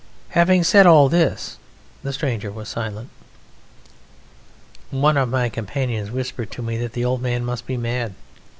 Having said all this, the stranger was silent. One of my companions whispered to me that the old man must be mad.